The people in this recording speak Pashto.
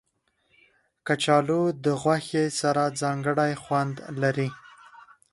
کچالو د غوښې سره ځانګړی خوند لري